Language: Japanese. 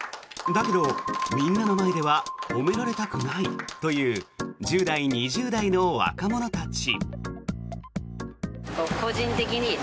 だけど、みんなの前では褒められたくないという１０代、２０代の若者たち。